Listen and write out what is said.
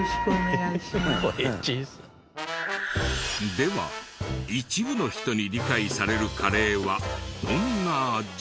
では一部の人に理解されるカレーはどんな味？